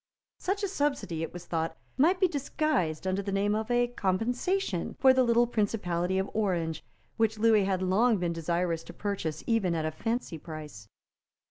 Such a subsidy, it was thought, might be disguised under the name of a compensation for the little principality of Orange, which Lewis had long been desirous to purchase even at a fancy price.